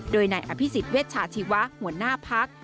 โดยนายอภิษฎเวชชาชีวะหัวหน้าพัก